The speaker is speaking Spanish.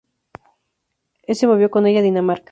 Él se movió con ella a Dinamarca.